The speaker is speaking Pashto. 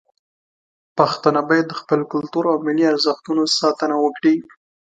پښتانه باید د خپل کلتور او ملي ارزښتونو ساتنه وکړي.